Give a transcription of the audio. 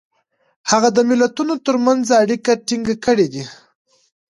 هغه د ملتونو ترمنځ اړیکې ټینګ کړي دي.